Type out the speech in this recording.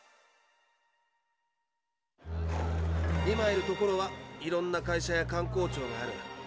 今いる所はいろんな会社や官公庁がある。